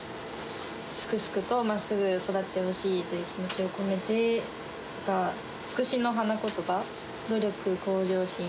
すくすくとまっすぐ育ってほしいという気持ちを込めて、つくしの花言葉、努力、向上心。